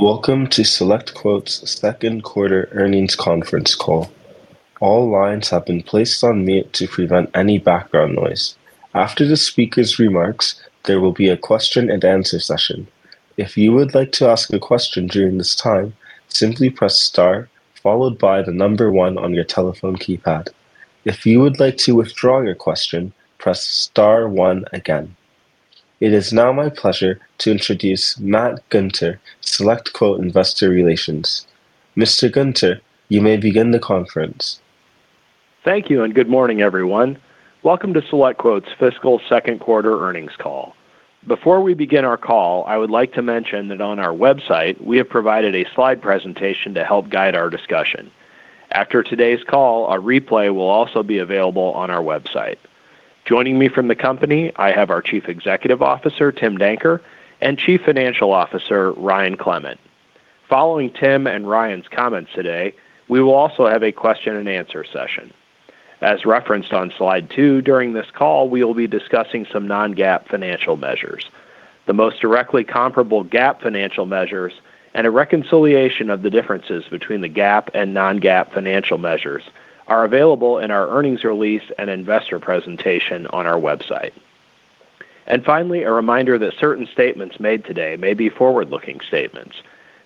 Welcome to SelectQuote's Q2 Earnings Conference Call. All lines have been placed on mute to prevent any background noise. After the speaker's remarks, there will be a question and answer session. If you would like to ask a question during this time, simply press star followed by the number one on your telephone keypad. If you would like to withdraw your question, press star one again. It is now my pleasure to introduce Matt Gunter, SelectQuote Investor Relations. Mr. Gunter, you may begin the conference. Thank you, and good morning, everyone. Welcome to SelectQuote's Fiscal Q2 Earnings Call. Before we begin our call, I would like to mention that on our website, we have provided a slide presentation to help guide our discussion. After today's call, a replay will also be available on our website. Joining me from the company, I have our Chief Executive Officer, Tim Danker, and Chief Financial Officer, Ryan Clement. Following Tim and Ryan's comments today, we will also have a question and answer session. As referenced on slide two, during this call, we will be discussing some non-GAAP financial measures. The most directly comparable GAAP financial measures and a reconciliation of the differences between the GAAP and non-GAAP financial measures are available in our earnings release and investor presentation on our website. Finally, a reminder that certain statements made today may be forward-looking statements.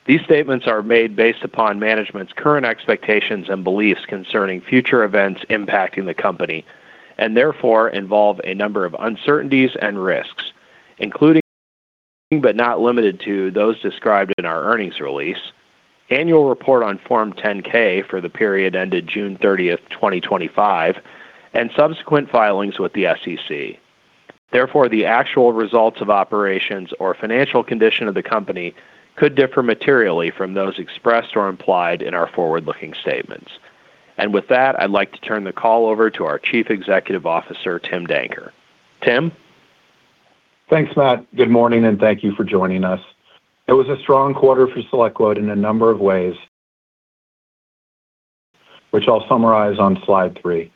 These statements are made based upon management's current expectations and beliefs concerning future events impacting the company, and therefore involve a number of uncertainties and risks, including but not limited to, those described in our earnings release, annual report on Form 10-K for the period ended June 30, 2025, and subsequent filings with the SEC. Therefore, the actual results of operations or financial condition of the company could differ materially from those expressed or implied in our forward-looking statements. And with that, I'd like to turn the call over to our Chief Executive Officer, Tim Danker. Tim? Thanks, Matt. Good morning, and thank you for joining us. It was a strong quarter for SelectQuote in a number of ways, which I'll summarize on slide 3.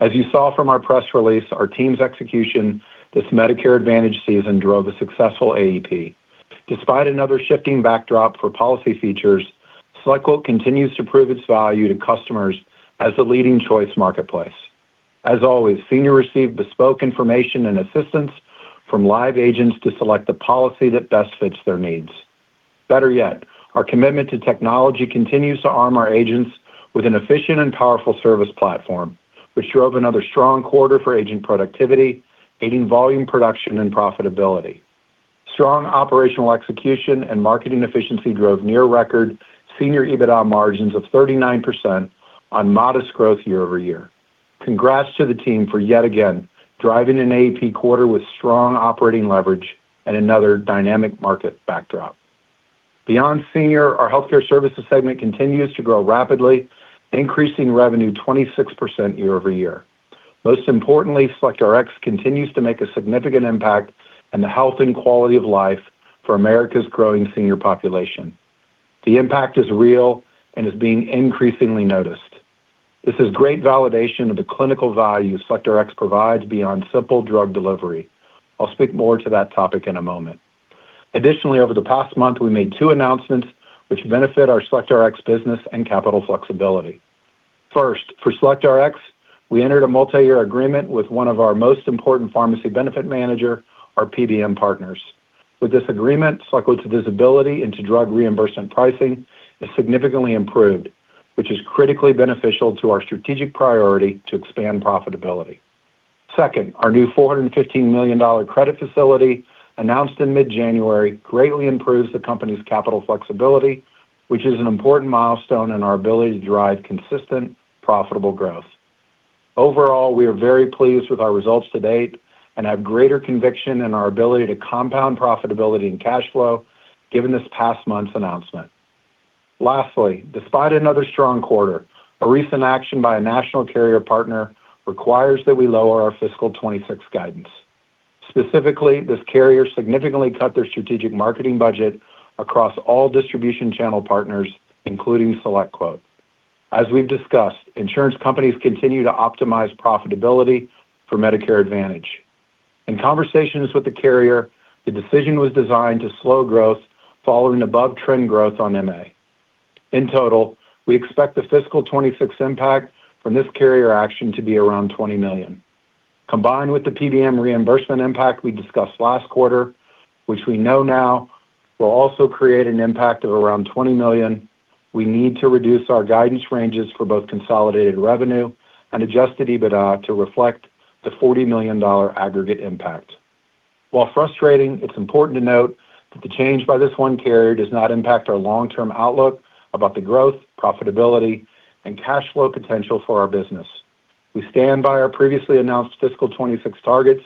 As you saw from our press release, our team's execution this Medicare Advantage season drove a successful AEP. Despite another shifting backdrop for policy features, SelectQuote continues to prove its value to customers as the leading choice marketplace. As always, senior received bespoke information and assistance from live agents to select the policy that best fits their needs. Better yet, our commitment to technology continues to arm our agents with an efficient and powerful service platform, which drove another strong quarter for agent productivity, aiding volume, production, and profitability. Strong operational execution and marketing efficiency drove near record Senior EBITDA margins of 39% on modest growth year-over-year. Congrats to the team for yet again, driving an AEP quarter with strong operating leverage and another dynamic market backdrop. Beyond senior, our Healthcare Services segment continues to grow rapidly, increasing revenue 26% year-over-year. Most importantly, SelectRx continues to make a significant impact in the health and quality of life for America's growing senior population. The impact is real and is being increasingly noticed. This is great validation of the clinical value SelectRx provides beyond simple drug delivery. I'll speak more to that topic in a moment. Additionally, over the past month, we made two announcements which benefit our SelectRx business and capital flexibility. First, for SelectRx, we entered a multi-year agreement with one of our most important pharmacy benefit manager, our PBM partners. With this agreement, SelectQuote's visibility into drug reimbursement pricing is significantly improved, which is critically beneficial to our strategic priority to expand profitability. Second, our new $415 million credit facility, announced in mid-January, greatly improves the company's capital flexibility, which is an important milestone in our ability to drive consistent, profitable growth. Overall, we are very pleased with our results to date and have greater conviction in our ability to compound profitability and cash flow given this past month's announcement. Lastly, despite another strong quarter, a recent action by a national carrier partner requires that we lower our fiscal 2026 guidance. Specifically, this carrier significantly cut their strategic marketing budget across all distribution channel partners, including SelectQuote. As we've discussed, insurance companies continue to optimize profitability for Medicare Advantage. In conversations with the carrier, the decision was designed to slow growth following above-trend growth on MA. In total, we expect the fiscal 2026 impact from this carrier action to be around $20 million. Combined with the PBM reimbursement impact we discussed last quarter, which we know now will also create an impact of around $20 million, we need to reduce our guidance ranges for both consolidated revenue and adjusted EBITDA to reflect the $40 million aggregate impact. While frustrating, it's important to note that the change by this one carrier does not impact our long-term outlook about the growth, profitability, and cash flow potential for our business. We stand by our previously announced fiscal 2026 targets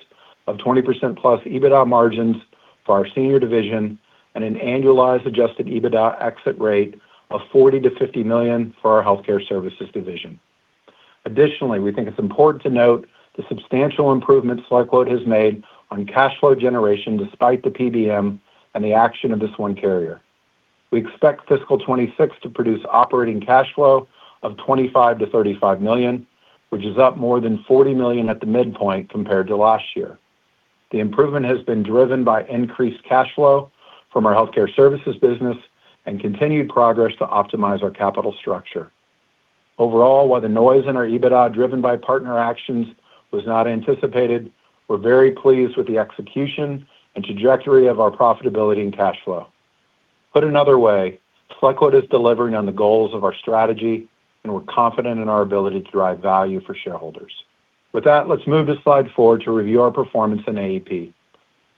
of 20%+ EBITDA margins for our Senior division and an annualized adjusted EBITDA exit rate of $40 million-$50 million for our Healthcare Services division. Additionally, we think it's important to note the substantial improvements SelectQuote has made on cash flow generation despite the PBM and the action of this one carrier. We expect fiscal 2026 to produce operating cash flow of $25 million-$35 million, which is up more than $40 million at the midpoint compared to last year. The improvement has been driven by increased cash flow from our Healthcare Services business and continued progress to optimize our capital structure. Overall, while the noise in our EBITDA, driven by partner actions, was not anticipated, we're very pleased with the execution and trajectory of our profitability and cash flow. Put another way, SelectQuote is delivering on the goals of our strategy, and we're confident in our ability to drive value for shareholders. With that, let's move to slide 4 to review our performance in AEP.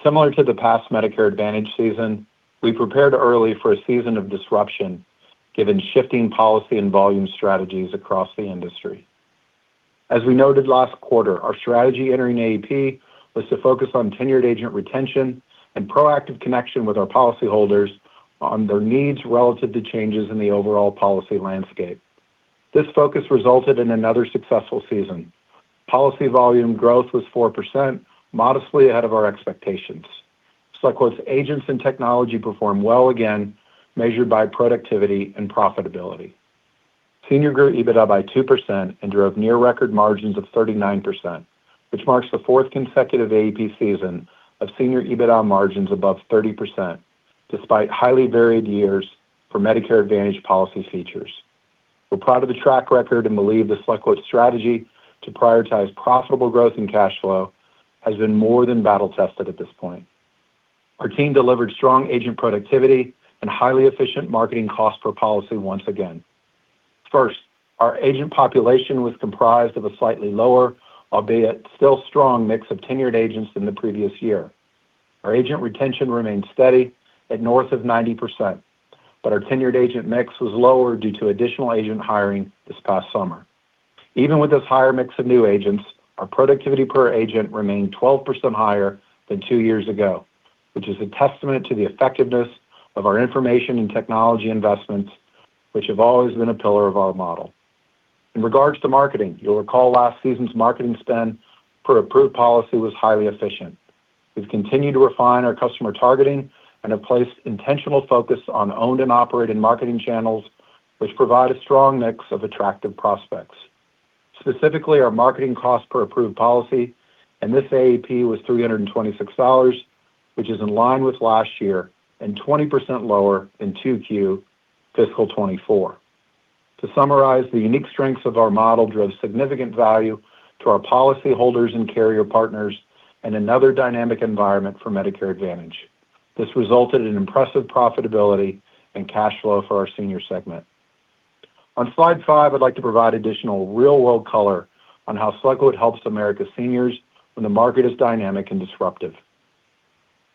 Similar to the past Medicare Advantage season, we prepared early for a season of disruption, given shifting policy and volume strategies across the industry. As we noted last quarter, our strategy entering AEP was to focus on tenured agent retention and proactive connection with our policyholders on their needs relative to changes in the overall policy landscape. This focus resulted in another successful season. Policy volume growth was 4%, modestly ahead of our expectations. SelectQuote's agents and technology performed well again, measured by productivity and profitability. Senior grew EBITDA by 2% and drove near record margins of 39%, which marks the fourth consecutive AEP season of Senior EBITDA margins above 30%, despite highly varied years for Medicare Advantage policy features. We're proud of the track record and believe the SelectQuote strategy to prioritize profitable growth and cash flow has been more than battle-tested at this point. Our team delivered strong agent productivity and highly efficient marketing cost per policy once again. First, our agent population was comprised of a slightly lower, albeit still strong, mix of tenured agents than the previous year. Our agent retention remained steady at north of 90%, but our tenured agent mix was lower due to additional agent hiring this past summer. Even with this higher mix of new agents, our productivity per agent remained 12% higher than two years ago, which is a testament to the effectiveness of our information and technology investments, which have always been a pillar of our model. In regards to marketing, you'll recall last season's marketing spend per approved policy was highly efficient. We've continued to refine our customer targeting and have placed intentional focus on owned and operated marketing channels, which provide a strong mix of attractive prospects. Specifically, our marketing cost per approved policy, and this AEP was $326, which is in line with last year and 20% lower in 2Q fiscal 2024. To summarize, the unique strengths of our model drove significant value to our policyholders and carrier partners in another dynamic environment for Medicare Advantage. This resulted in impressive profitability and cash flow for our senior segment. On slide 5, I'd like to provide additional real-world color on how SelectQuote helps America's seniors when the market is dynamic and disruptive.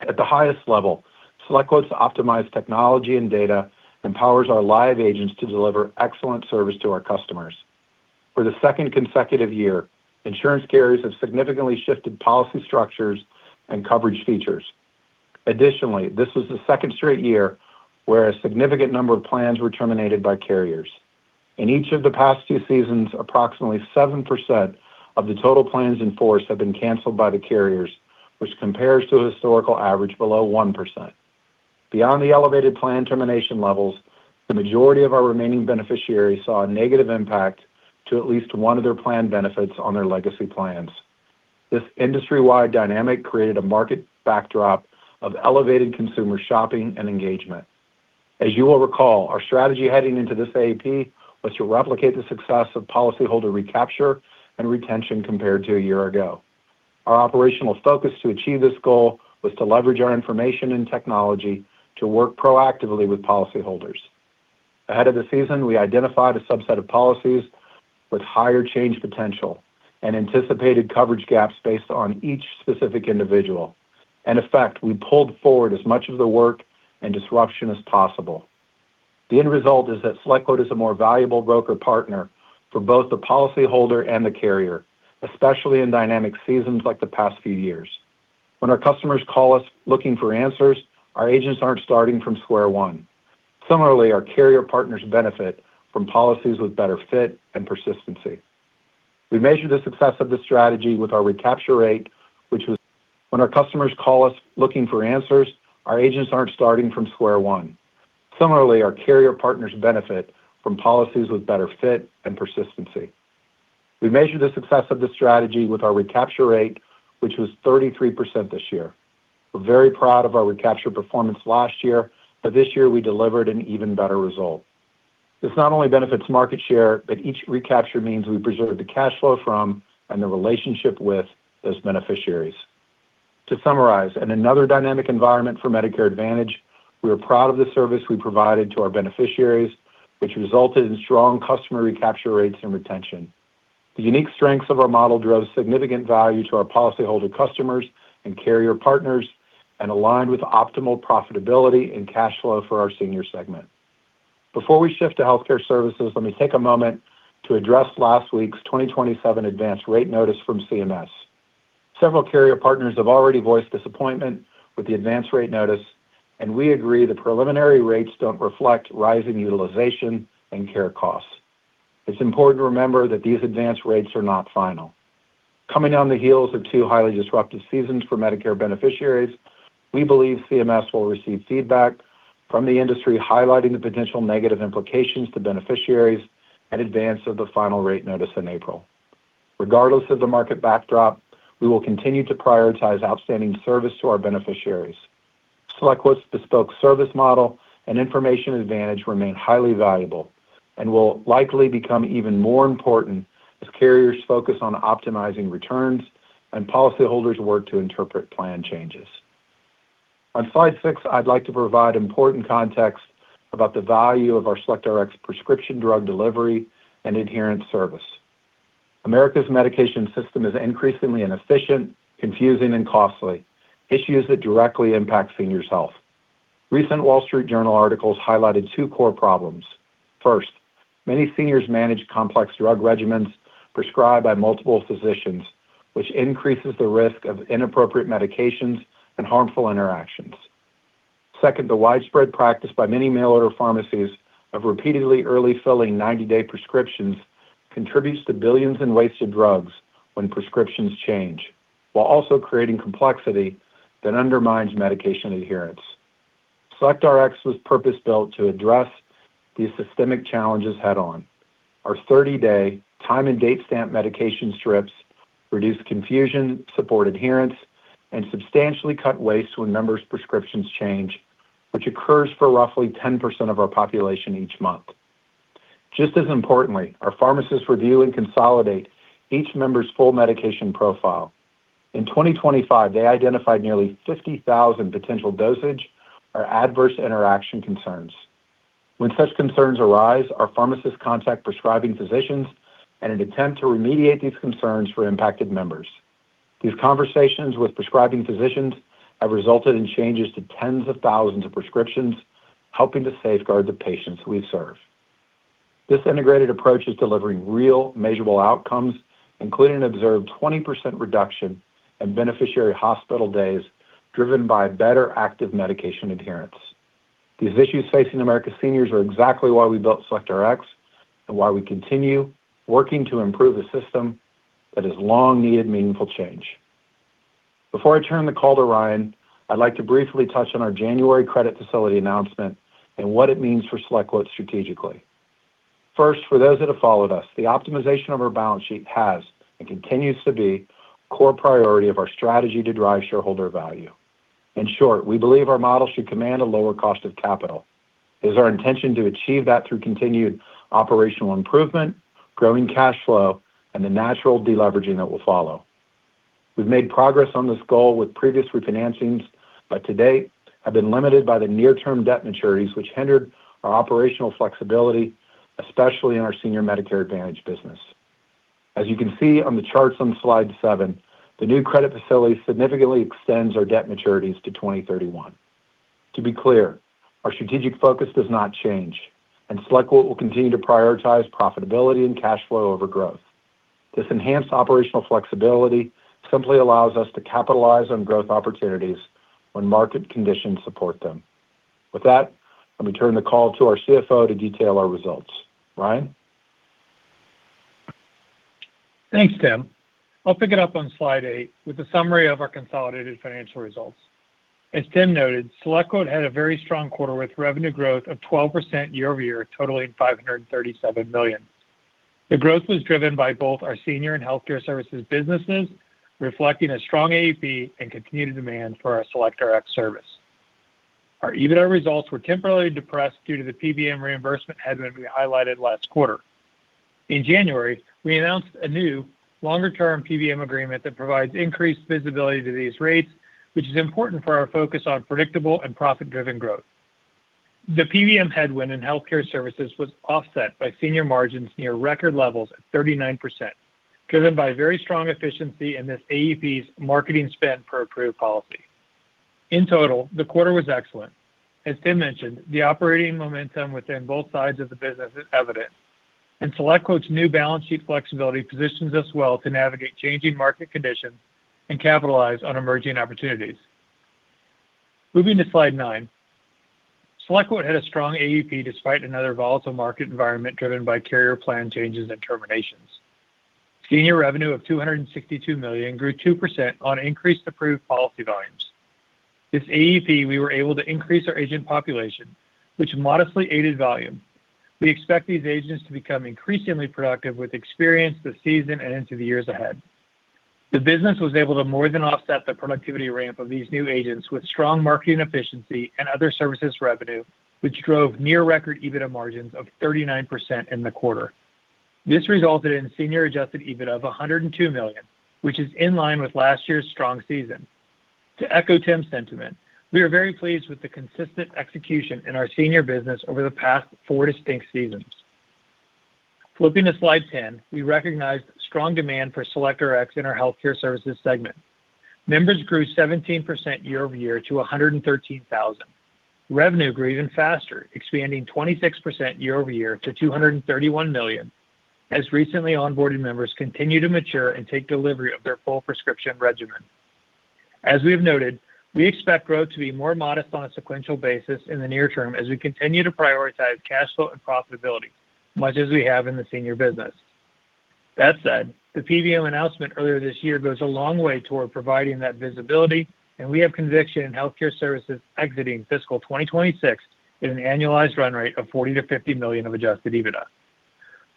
At the highest level, SelectQuote's optimized technology and data empowers our live agents to deliver excellent service to our customers. For the second consecutive year, insurance carriers have significantly shifted policy structures and coverage features. Additionally, this was the second straight year where a significant number of plans were terminated by carriers. In each of the past two seasons, approximately 7% of the total plans in force have been canceled by the carriers, which compares to a historical average below 1%. Beyond the elevated plan termination levels, the majority of our remaining beneficiaries saw a negative impact to at least one of their planned benefits on their legacy plans. This industry-wide dynamic created a market backdrop of elevated consumer shopping and engagement. As you will recall, our strategy heading into this AEP was to replicate the success of policyholder recapture and retention compared to a year ago. Our operational focus to achieve this goal was to leverage our information and technology to work proactively with policyholders. Ahead of the season, we identified a subset of policies with higher change potential and anticipated coverage gaps based on each specific individual. In effect, we pulled forward as much of the work and disruption as possible. The end result is that SelectQuote is a more valuable broker partner for both the policyholder and the carrier, especially in dynamic seasons like the past few years. When our customers call us looking for answers, our agents aren't starting from square one. Similarly, our carrier partners benefit from policies with better fit and persistency. We measure the success of this strategy with our recapture rate, which was 33% this year. We're very proud of our recapture performance last year, but this year we delivered an even better result. This not only benefits market share, but each recapture means we preserve the cash flow from and the relationship with those beneficiaries. To summarize, in another dynamic environment for Medicare Advantage, we are proud of the service we provided to our beneficiaries, which resulted in strong customer recapture rates and retention. The unique strengths of our model drove significant value to our policyholder, customers, and carrier partners, and aligned with optimal profitability and cash flow for our senior segment. Before we shift to Healthcare Services, let me take a moment to address last week's 2027 Advance Rate Notice from CMS. Several carrier partners have already voiced disappointment with the Advance Rate Notice, and we agree the preliminary rates don't reflect rising utilization and care costs. It's important to remember that these advance rates are not final. Coming on the heels of two highly disruptive seasons for Medicare beneficiaries,... We believe CMS will receive feedback from the industry, highlighting the potential negative implications to beneficiaries in advance of the final rate notice in April. Regardless of the market backdrop, we will continue to prioritize outstanding service to our beneficiaries. SelectQuote's bespoke service model and information advantage remain highly valuable and will likely become even more important as carriers focus on optimizing returns and policyholders work to interpret plan changes. On slide 6, I'd like to provide important context about the value of our SelectRx prescription drug delivery and adherence service. America's medication system is increasingly inefficient, confusing, and costly, issues that directly impact senior health. Recent The Wall Street Journal articles highlighted two core problems. First, many seniors manage complex drug regimens prescribed by multiple physicians, which increases the risk of inappropriate medications and harmful interactions. Second, the widespread practice by many mail-order pharmacies of repeatedly early filling 90-day prescriptions contributes to billions in wasted drugs when prescriptions change, while also creating complexity that undermines medication adherence. SelectRx was purpose-built to address these systemic challenges head-on. Our 30-day time and date stamp medication strips reduce confusion, support adherence, and substantially cut waste when members' prescriptions change, which occurs for roughly 10% of our population each month. Just as importantly, our pharmacists review and consolidate each member's full medication profile. In 2025, they identified nearly 50,000 potential dosage or adverse interaction concerns. When such concerns arise, our pharmacists contact prescribing physicians in an attempt to remediate these concerns for impacted members. These conversations with prescribing physicians have resulted in changes to tens of thousands of prescriptions, helping to safeguard the patients we serve. This integrated approach is delivering real, measurable outcomes, including an observed 20% reduction in beneficiary hospital days, driven by better active medication adherence. These issues facing America's seniors are exactly why we built SelectRx and why we continue working to improve a system that has long needed meaningful change. Before I turn the call to Ryan, I'd like to briefly touch on our January credit facility announcement and what it means for SelectQuote strategically. First, for those that have followed us, the optimization of our balance sheet has and continues to be a core priority of our strategy to drive shareholder value. In short, we believe our model should command a lower cost of capital. It is our intention to achieve that through continued operational improvement, growing cash flow, and the natural deleveraging that will follow. We've made progress on this goal with previous refinancings, but to date, have been limited by the near-term debt maturities, which hindered our operational flexibility, especially in our Senior Medicare Advantage business. As you can see on the charts on Slide 7, the new credit facility significantly extends our debt maturities to 2031. To be clear, our strategic focus does not change, and SelectQuote will continue to prioritize profitability and cash flow over growth. This enhanced operational flexibility simply allows us to capitalize on growth opportunities when market conditions support them. With that, let me turn the call to our CFO to detail our results. Ryan? Thanks, Tim. I'll pick it up on Slide 8 with a summary of our consolidated financial results. As Tim noted, SelectQuote had a very strong quarter with revenue growth of 12% year-over-year, totaling $537 million. The growth was driven by both our Senior and Healthcare Services businesses, reflecting a strong AEP and continued demand for our SelectRx service. Our EBITDA results were temporarily depressed due to the PBM reimbursement headwind we highlighted last quarter. In January, we announced a new longer-term PBM agreement that provides increased visibility to these rates, which is important for our focus on predictable and profit-driven growth. The PBM headwind in Healthcare Services was offset by senior margins near record levels at 39%, driven by very strong efficiency in this AEP's marketing spend per approved policy. In total, the quarter was excellent. As Tim mentioned, the operating momentum within both sides of the business is evident, and SelectQuote's new balance sheet flexibility positions us well to navigate changing market conditions and capitalize on emerging opportunities. Moving to Slide 9, SelectQuote had a strong AEP despite another volatile market environment driven by carrier plan changes and terminations. Senior revenue of $262 million grew 2% on increased approved policy volumes. This AEP, we were able to increase our agent population, which modestly aided volume. We expect these agents to become increasingly productive with experience this season and into the years ahead. The business was able to more than offset the productivity ramp of these new agents with strong marketing efficiency and other services revenue, which drove near record EBITDA margins of 39% in the quarter. This resulted in Senior adjusted EBITDA of $102 million, which is in line with last year's strong season. To echo Tim's sentiment, we are very pleased with the consistent execution in our Senior business over the past four distinct seasons. Flipping to Slide 10, we recognized strong demand for SelectRx in our Healthcare Services segment. Members grew 17% year-over-year to 113,000. Revenue grew even faster, expanding 26% year-over-year to $231 million, as recently onboarded members continue to mature and take delivery of their full prescription regimen. As we've noted, we expect growth to be more modest on a sequential basis in the near term as we continue to prioritize cash flow and profitability, much as we have in the Senior business That said, the PBM announcement earlier this year goes a long way toward providing that visibility, and we have conviction in Healthcare Services exiting fiscal 2026 at an annualized run rate of $40 million-$50 million of Adjusted EBITDA.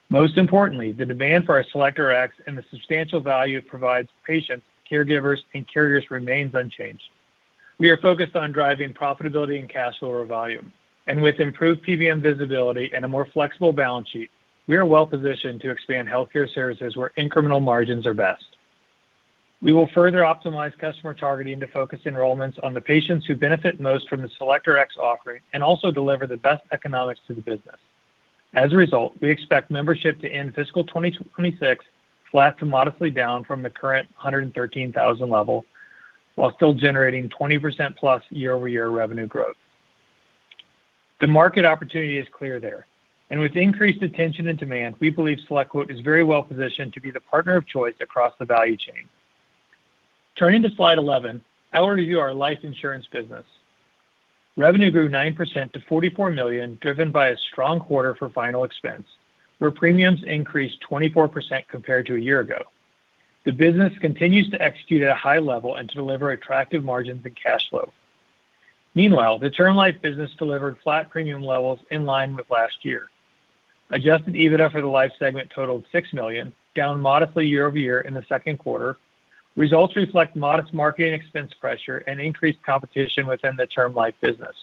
Most importantly, the demand for our SelectRx and the substantial value it provides patients, caregivers, and carriers remains unchanged. We are focused on driving profitability and cash flow volume, and with improved PBM visibility and a more flexible balance sheet, we are well positioned to expand Healthcare Services where incremental margins are best. We will further optimize customer targeting to focus enrollments on the patients who benefit most from the SelectRx offering and also deliver the best economics to the business. As a result, we expect membership to end fiscal 2026 flat to modestly down from the current 113,000 level, while still generating 20%+ year-over-year revenue growth. The market opportunity is clear there, and with increased attention and demand, we believe SelectQuote is very well positioned to be the partner of choice across the value chain. Turning to slide 11, I want to review our Life insurance business. Revenue grew 9% to $44 million, driven by a strong quarter for final expense, where premiums increased 24% compared to a year ago. The business continues to execute at a high level and to deliver attractive margins and cash flow. Meanwhile, the term Life business delivered flat premium levels in line with last year. Adjusted EBITDA for the Life segment totaled $6 million, down modestly year-over-year in the Q2. Results reflect modest marketing expense pressure and increased competition within the term Life business.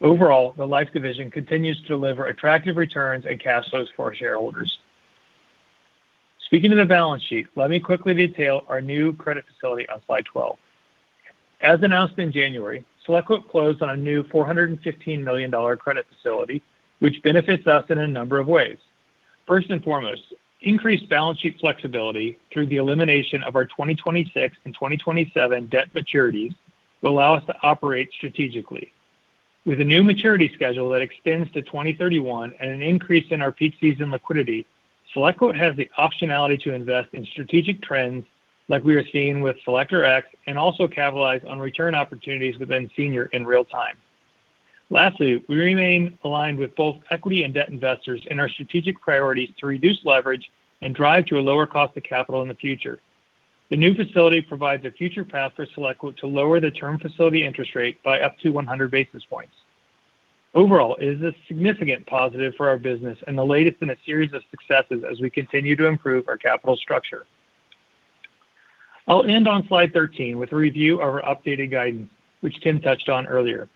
Overall, the Life Division continues to deliver attractive returns and cash flows for our shareholders. Speaking of the balance sheet, let me quickly detail our new credit facility on slide 12. As announced in January, SelectQuote closed on a new $415 million credit facility, which benefits us in a number of ways. First and foremost, increased balance sheet flexibility through the elimination of our 2026 and 2027 debt maturities will allow us to operate strategically. With a new maturity schedule that extends to 2031 and an increase in our peak season liquidity, SelectQuote has the optionality to invest in strategic trends like we are seeing with SelectRx and also capitalize on return opportunities within senior in real time. Lastly, we remain aligned with both equity and debt investors in our strategic priorities to reduce leverage and drive to a lower cost of capital in the future. The new facility provides a future path for SelectQuote to lower the term facility interest rate by up to 100 basis points. Overall, it is a significant positive for our business and the latest in a series of successes as we continue to improve our capital structure. I'll end on slide 13 with a review of our updated guidance, which Tim touched on earlier.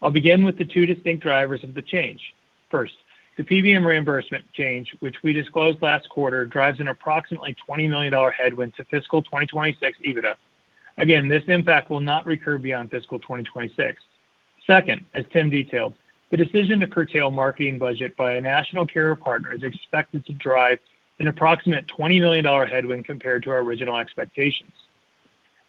I'll begin with the two distinct drivers of the change. First, the PBM reimbursement change, which we disclosed last quarter, drives an approximately $20 million headwind to fiscal 2026 EBITDA. Again, this impact will not recur beyond fiscal 2026. Second, as Tim detailed, the decision to curtail marketing budget by a national carrier partner is expected to drive an approximate $20 million headwind compared to our original expectations.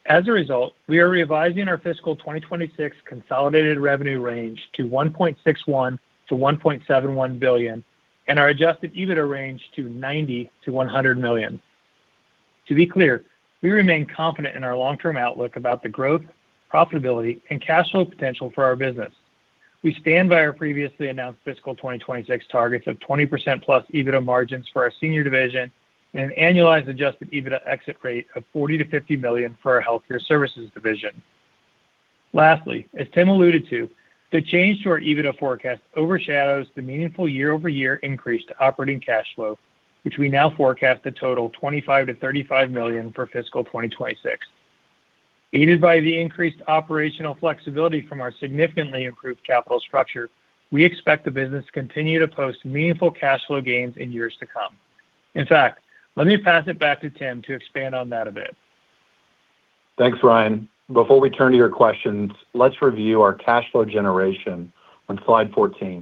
As a result, we are revising our fiscal 2026 consolidated revenue range to $1.61 billion-$1.71 billion, and our Adjusted EBITDA range to $90-$100 million. To be clear, we remain confident in our long-term outlook about the growth, profitability, and cash flow potential for our business. We stand by our previously announced fiscal 2026 targets of 20%+ EBITDA margins for our Senior division and an annualized Adjusted EBITDA exit rate of $40-$50 million for our Healthcare Services division. Lastly, as Tim alluded to, the change to our EBITDA forecast overshadows the meaningful year-over-year increase to operating cash flow, which we now forecast to total $25 million-$35 million for fiscal 2026. Aided by the increased operational flexibility from our significantly improved capital structure, we expect the business to continue to post meaningful cash flow gains in years to come. In fact, let me pass it back to Tim to expand on that a bit. Thanks, Ryan. Before we turn to your questions, let's review our cash flow generation on slide 14.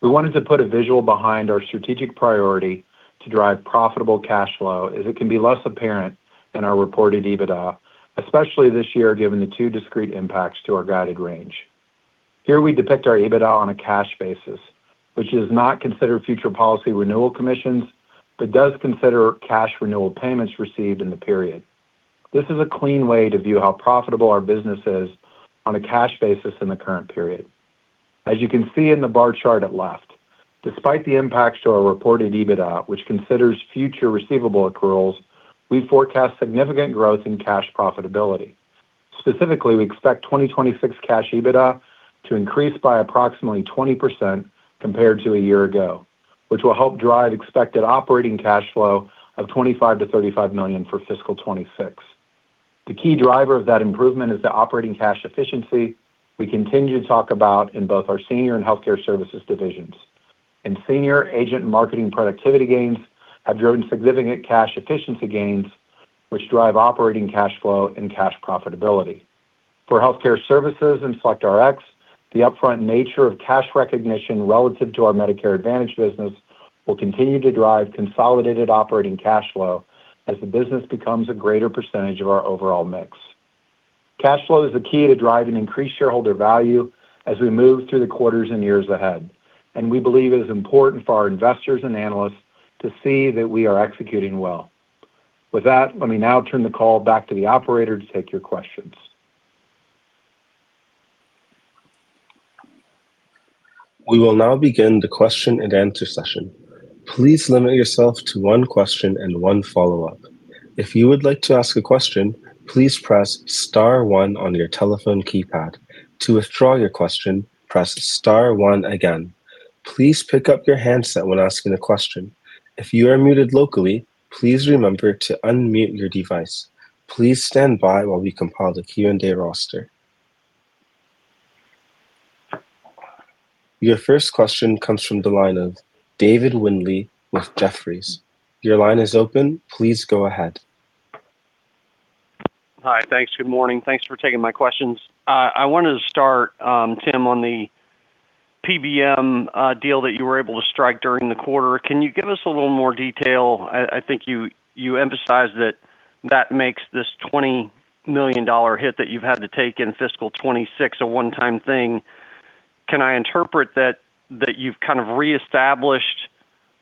We wanted to put a visual behind our strategic priority to drive profitable cash flow, as it can be less apparent than our reported EBITDA, especially this year, given the two discrete impacts to our guided range. Here we depict our EBITDA on a cash basis, which does not consider future policy renewal commissions, but does consider cash renewal payments received in the period. This is a clean way to view how profitable our business is on a cash basis in the current period. As you can see in the bar chart at left, despite the impacts to our reported EBITDA, which considers future receivable accruals, we forecast significant growth in cash profitability. Specifically, we expect 2026 cash EBITDA to increase by approximately 20% compared to a year ago, which will help drive expected operating cash flow of $25 million-$35 million for fiscal 2026. The key driver of that improvement is the operating cash efficiency we continue to talk about in both our Senior and Healthcare Services divisions. In senior, agent and marketing productivity gains have driven significant cash efficiency gains, which drive operating cash flow and cash profitability. For Healthcare Services and SelectRx, the upfront nature of cash recognition relative to our Medicare Advantage business will continue to drive consolidated operating cash flow as the business becomes a greater percentage of our overall mix. Cash flow is the key to driving increased shareholder value as we move through the quarters and years ahead, and we believe it is important for our investors and analysts to see that we are executing well. With that, let me now turn the call back to the operator to take your questions. We will now begin the question and answer session. Please limit yourself to one question and one follow-up. If you would like to ask a question, please press star one on your telephone keypad. To withdraw your question, press star one again. Please pick up your handset when asking a question. If you are muted locally, please remember to unmute your device. Please stand by while we compile the Q&A roster. Your first question comes from the line of David Windley with Jefferies. Your line is open. Please go ahead. Hi. Thanks. Good morning. Thanks for taking my questions. I wanted to start, Tim, on the PBM deal that you were able to strike during the quarter. Can you give us a little more detail? I think you emphasized that that makes this $20 million hit that you've had to take in fiscal 2026 a one-time thing. Can I interpret that you've kind of reestablished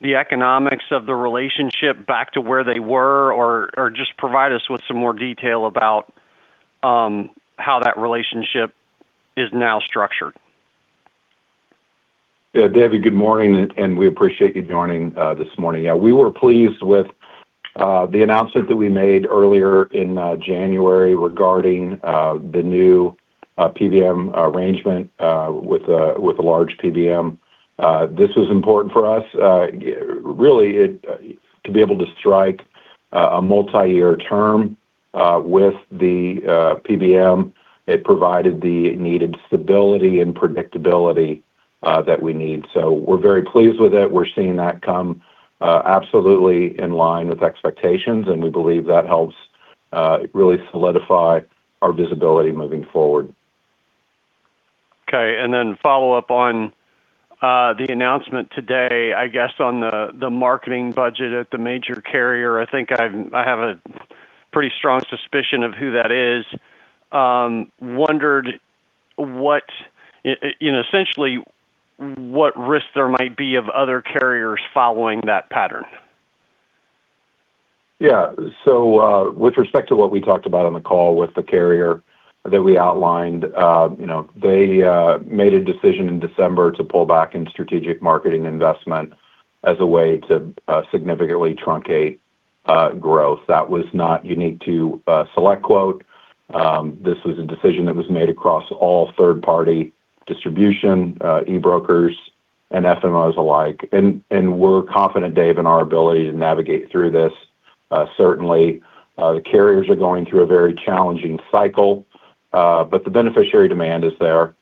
the economics of the relationship back to where they were, or just provide us with some more detail about how that relationship is now structured? Yeah, David, good morning, and we appreciate you joining this morning. Yeah, we were pleased with the announcement that we made earlier in January regarding the new PBM arrangement with a large PBM. This was important for us. Really, to be able to strike a multi-year term with the PBM, it provided the needed stability and predictability that we need. So we're very pleased with it. We're seeing that come absolutely in line with expectations, and we believe that helps really solidify our visibility moving forward. Okay, and then follow up on the announcement today, I guess, on the marketing budget at the major carrier. I think I have a pretty strong suspicion of who that is. Wondered what, you know, essentially, what risks there might be of other carriers following that pattern? Yeah. So, with respect to what we talked about on the call with the carrier that we outlined, you know, they made a decision in December to pull back in strategic marketing investment as a way to significantly truncate growth. That was not unique to SelectQuote. This was a decision that was made across all third-party distribution, e-brokers, and FMOs alike, and we're confident, Dave, in our ability to navigate through this. Certainly, the carriers are going through a very challenging cycle, but the beneficiary demand is there.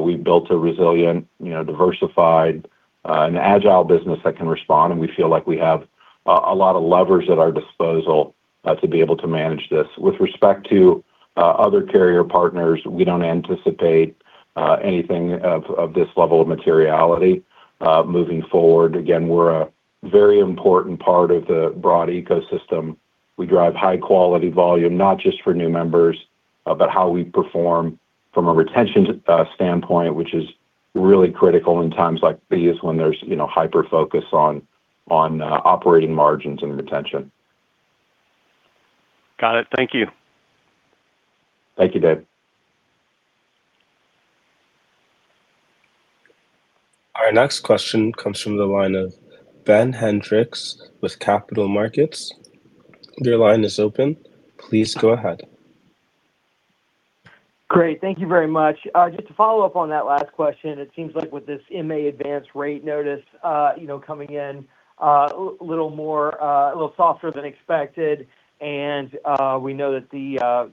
We've built a resilient, you know, diversified, and agile business that can respond, and we feel like we have a lot of levers at our disposal to be able to manage this. With respect to other carrier partners, we don't anticipate anything of this level of materiality moving forward. Again, we're a very important part of the broad ecosystem. We drive high-quality volume, not just for new members, but how we perform from a retention standpoint, which is really critical in times like these, when there's, you know, hyper-focus on operating margins and retention. Got it. Thank you. Thank you, Dave. Our next question comes from the line of Ben Hendrix with RBC Capital Markets. Your line is open. Please go ahead. Great. Thank you very much. Just to follow up on that last question, it seems like with this MA advance rate notice, you know, coming in a little more, a little softer than expected, and we know that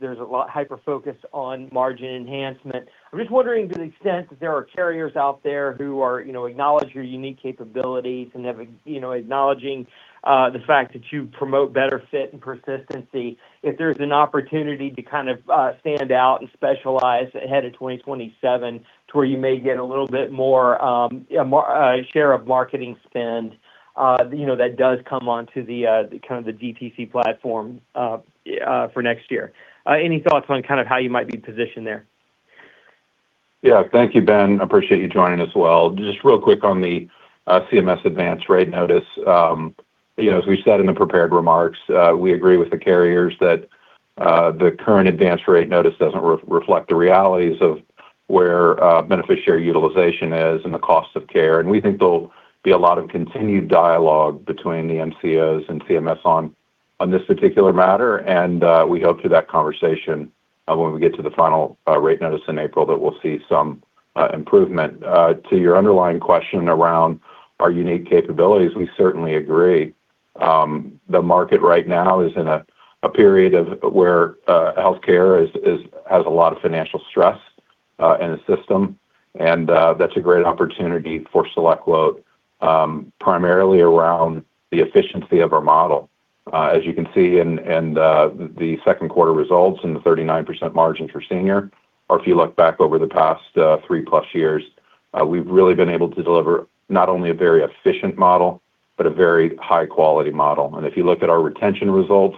there's a lot hyper-focused on margin enhancement. I'm just wondering, to the extent that there are carriers out there who are, you know, acknowledge your unique capabilities and have a, you know, acknowledging the fact that you promote better fit and persistency, if there's an opportunity to kind of stand out and specialize ahead of 2027, to where you may get a little bit more share of marketing spend, you know, that does come onto the kind of the DTC platform for next year. Any thoughts on kind of how you might be positioned there? Yeah. Thank you, Ben. Appreciate you joining as well. Just real quick on the CMS advance rate notice. You know, as we said in the prepared remarks, we agree with the carriers that the current advance rate notice doesn't reflect the realities of where beneficiary utilization is and the cost of care. And we think there'll be a lot of continued dialogue between the MCOs and CMS on this particular matter, and we hope through that conversation, when we get to the final rate notice in April, that we'll see some improvement. To your underlying question around our unique capabilities, we certainly agree. The market right now is in a period of where healthcare has a lot of financial stress in the system, and that's a great opportunity for SelectQuote, primarily around the efficiency of our model. As you can see in the Q2 results and the 39% margin for senior, or if you look back over the past 3+ years, we've really been able to deliver not only a very efficient model, but a very high-quality model. If you look at our retention results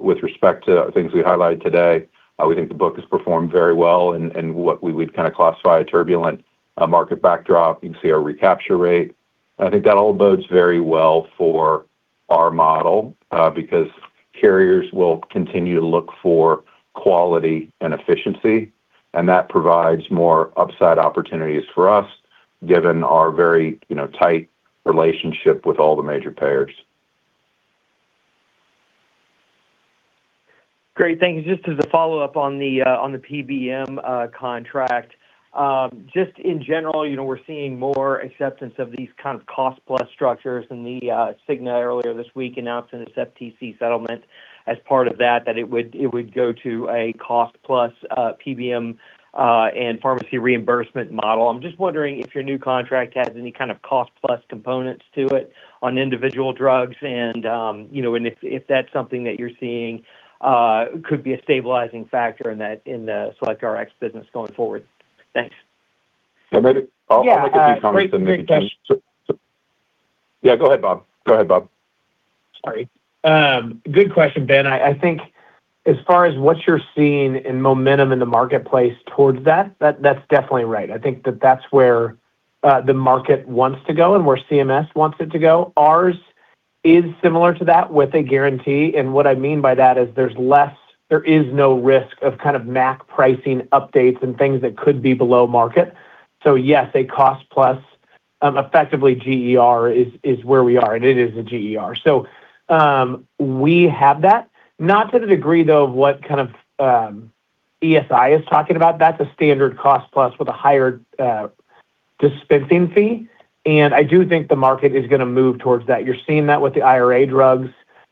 with respect to things we highlighted today, we think the book has performed very well in what we would kind of classify a turbulent market backdrop. You can see our recapture rate. I think that all bodes very well for our model, because carriers will continue to look for quality and efficiency, and that provides more upside opportunities for us, given our very, you know, tight relationship with all the major payers. Great, thanks. Just as a follow-up on the, on the PBM, contract, just in general, you know, we're seeing more acceptance of these kind of cost plus structures, and the, Cigna earlier this week announced in its FTC settlement, as part of that, that it would, it would go to a cost plus, PBM, and pharmacy reimbursement model. I'm just wondering if your new contract has any kind of cost plus components to it on individual drugs and, you know, and if, if that's something that you're seeing, could be a stabilizing factor in that, in the SelectRx business going forward? Thanks. Yeah, maybe, I'll make a few comments on that- Yeah, great question. Yeah, go ahead, Bob. Go ahead, Bob. Sorry. Good question, Ben. I think as far as what you're seeing in momentum in the marketplace towards that, that's definitely right. I think that's where the market wants to go and where CMS wants it to go. Ours is similar to that with a guarantee, and what I mean by that is there is no risk of kind of MAC pricing updates and things that could be below market. So yes, a cost plus, effectively GER is where we are, and it is a GER. So, we have that, not to the degree, though, of what kind of ESI is talking about. That's a standard cost plus with a higher dispensing fee. And I do think the market is gonna move towards that. You're seeing that with the IRA drugs,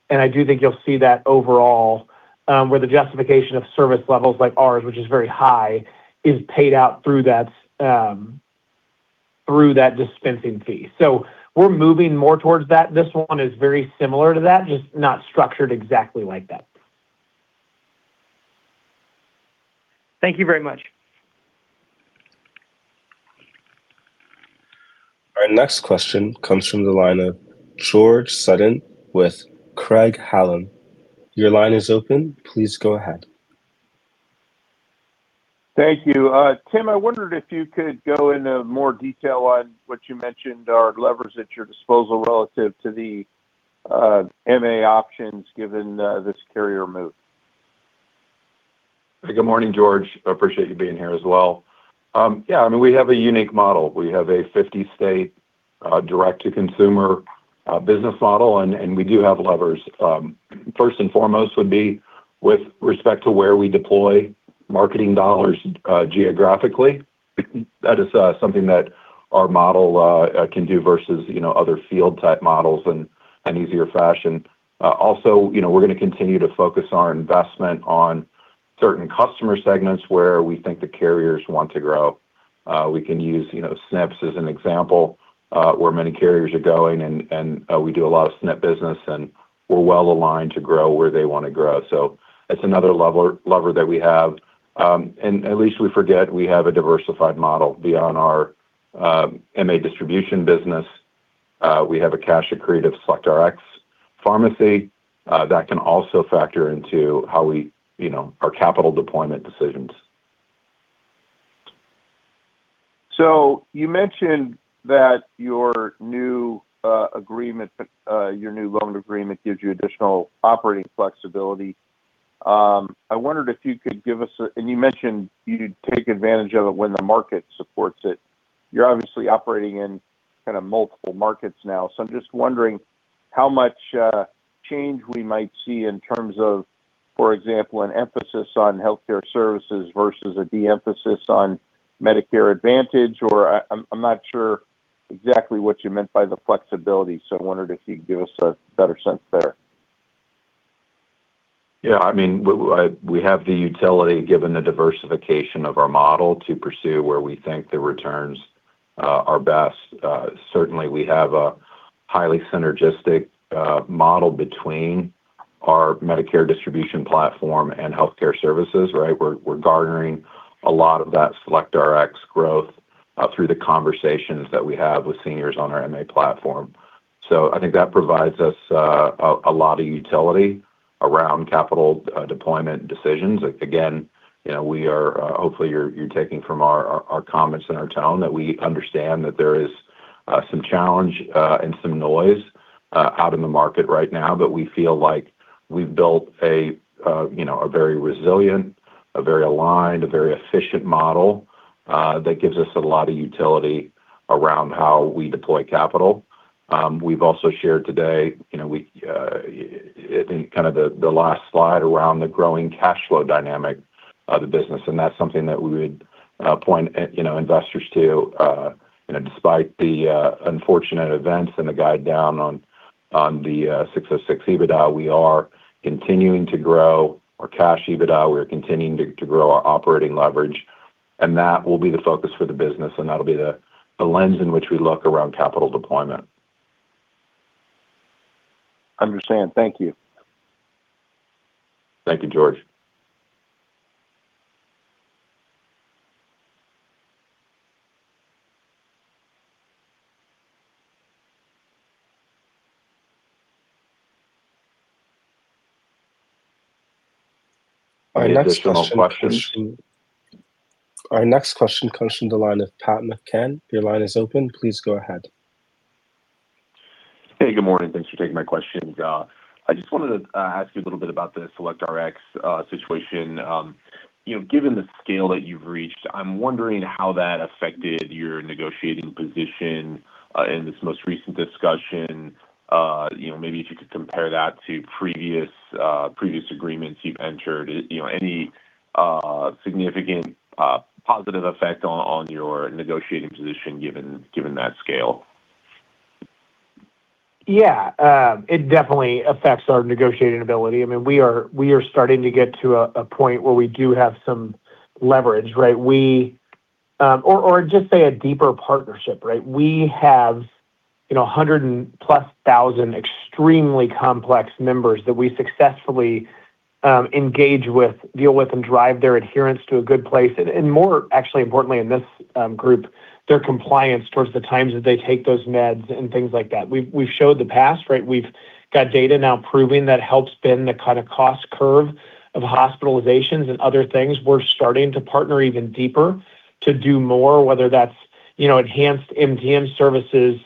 and I do think you'll see that overall, where the justification of service levels like ours, which is very high, is paid out through that, through that dispensing fee. So we're moving more towards that. This one is very similar to that, just not structured exactly like that. Thank you very much. Our next question comes from the line of George Sutton with Craig-Hallum. Your line is open. Please go ahead. Thank you. Tim, I wondered if you could go into more detail on what you mentioned are levers at your disposal relative to the MA options, given this carrier move. Good morning, George. I appreciate you being here as well. Yeah, I mean, we have a unique model. We have a 50-state, direct-to-consumer, business model, and we do have levers. First and foremost would be with respect to where we deploy marketing dollars, geographically. That is something that our model can do versus, you know, other field-type models in easier fashion. Also, you know, we're gonna continue to focus our investment on certain customer segments where we think the carriers want to grow. We can use, you know, SNPs as an example, where many carriers are going and we do a lot of SNP business, and we're well-aligned to grow where they want to grow. So that's another lever that we have. Lest we forget, we have a diversified model beyond our MA distribution business. We have a cash accretive SelectRx pharmacy that can also factor into how we, you know, our capital deployment decisions. So you mentioned that your new agreement, your new loan agreement gives you additional operating flexibility. I wondered if you could give us a... And you mentioned you'd take advantage of it when the market supports it. You're obviously operating in kind of multiple markets now, so I'm just wondering how much change we might see in terms of, for example, an emphasis on Healthcare Services versus a de-emphasis on Medicare Advantage, or I'm not sure exactly what you meant by the flexibility. So I wondered if you'd give us a better sense there. Yeah, I mean, we have the utility, given the diversification of our model, to pursue where we think the returns are best. Certainly, we have a highly synergistic model between our Medicare distribution platform and Healthcare Services, right? We're garnering a lot of that SelectRx growth through the conversations that we have with Seniors on our MA platform. So I think that provides us a lot of utility around capital deployment decisions. Again, you know, we are, hopefully you're taking from our comments and our tone, that we understand that there is some challenge and some noise out in the market right now, but we feel like we've built a, you know, a very resilient, a very aligned, a very efficient model that gives us a lot of utility around how we deploy capital. We've also shared today, you know, we, I think kind of the last slide around the growing cash flow dynamic of the business, and that's something that we would point, you know, investors to. You know, despite the unfortunate events and the guide down on the six of six EBITDA, we are continuing to grow our cash EBITDA. We are continuing to grow our operating leverage, and that will be the focus for the business, and that'll be the lens in which we look around capital deployment. Understood. Thank you. Thank you, George. Our next question comes from the line of Pat McCann. Your line is open. Please go ahead. Hey, good morning. Thanks for taking my questions. I just wanted to ask you a little bit about the SelectRx situation. You know, given the scale that you've reached, I'm wondering how that affected your negotiating position in this most recent discussion. You know, maybe if you could compare that to previous, previous agreements you've entered. You know, any significant, positive effect on, on your negotiating position, given, given that scale? Yeah, it definitely affects our negotiating ability. I mean, we are starting to get to a point where we do have some leverage, right? Or just say a deeper partnership, right? We have, you know, 100+ thousand extremely complex members that we successfully engage with, deal with, and drive their adherence to a good place, and more actually importantly in this group their compliance towards the times that they take those meds and things like that. We've shown in the past, right? We've got data now proving that helps bend the kinda cost curve of hospitalizations and other things. We're starting to partner even deeper to do more, whether that's, you know, enhanced MTM services,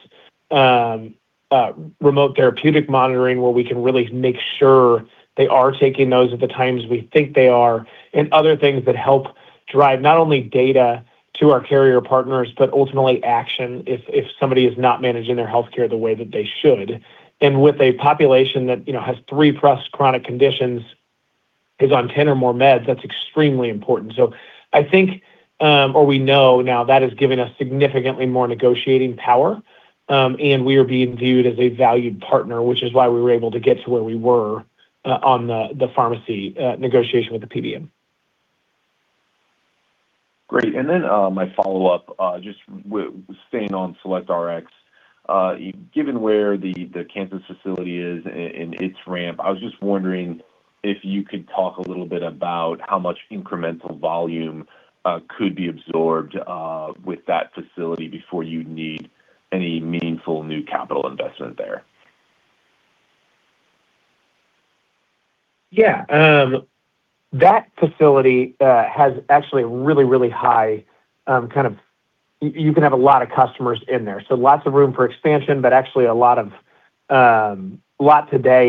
remote therapeutic monitoring, where we can really make sure they are taking those at the times we think they are, and other things that help drive not only data to our carrier partners, but ultimately action if somebody is not managing their healthcare the way that they should. With a population that, you know, has 3+ chronic conditions, is on 10 or more meds, that's extremely important. So I think, or we know now that has given us significantly more negotiating power, and we are being viewed as a valued partner, which is why we were able to get to where we were on the pharmacy negotiation with the PBM. Great. And then, my follow-up, just staying on SelectRx. Given where the Kansas facility is and its ramp, I was just wondering if you could talk a little bit about how much incremental volume could be absorbed with that facility before you'd need any meaningful new capital investment there. Yeah. That facility has actually really, really high, kind of... you can have a lot of customers in there, so lots of room for expansion, but actually a lot of automation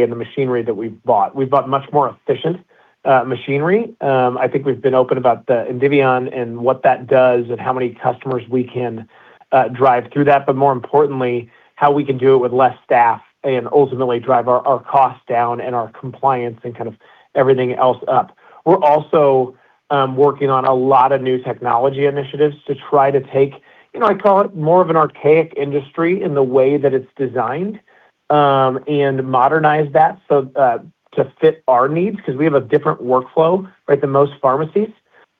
in the machinery that we've bought. We've bought much more efficient machinery. I think we've been open about the Indivion and what that does, and how many customers we can drive through that, but more importantly, how we can do it with less staff and ultimately drive our, our costs down and our compliance and kind of everything else up. We're also working on a lot of new technology initiatives to try to take, you know, I call it more of an archaic industry in the way that it's designed, and modernize that so to fit our needs, 'cause we have a different workflow, right, than most pharmacies.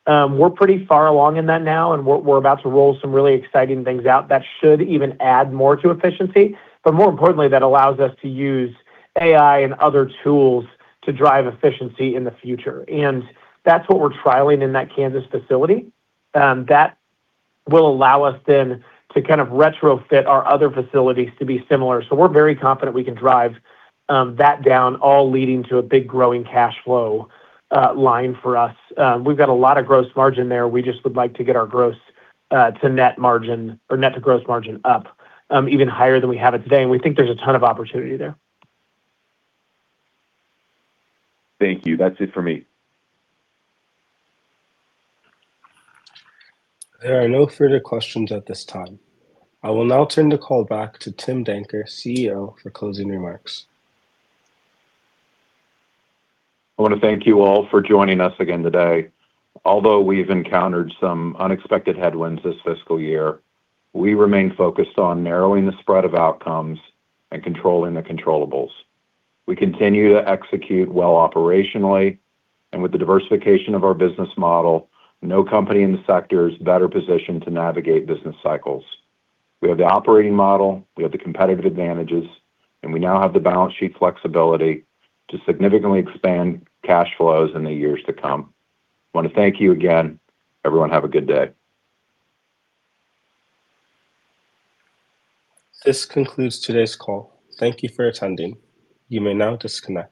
We're pretty far along in that now, and we're about to roll some really exciting things out that should even add more to efficiency, but more importantly, that allows us to use AI and other tools to drive efficiency in the future. And that's what we're trialing in that Kansas facility. That will allow us then to kind of retrofit our other facilities to be similar. So we're very confident we can drive that down, all leading to a big growing cash flow line for us. We've got a lot of gross margin there. We just would like to get our gross to net margin or net to gross margin up even higher than we have it today, and we think there's a ton of opportunity there. Thank you. That's it for me. There are no further questions at this time. I will now turn the call back to Tim Danker, CEO, for closing remarks. I wanna thank you all for joining us again today. Although we've encountered some unexpected headwinds this fiscal year, we remain focused on narrowing the spread of outcomes and controlling the controllables. We continue to execute well operationally, and with the diversification of our business model, no company in the sector is better positioned to navigate business cycles. We have the operating model, we have the competitive advantages, and we now have the balance sheet flexibility to significantly expand cash flows in the years to come. I wanna thank you again. Everyone, have a good day. This concludes today's call. Thank you for attending. You may now disconnect.